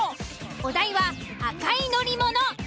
お題は「赤い乗り物」。